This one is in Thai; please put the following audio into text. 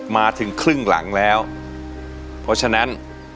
มาถึงครึ่งหลังแล้วเพราะฉะนั้น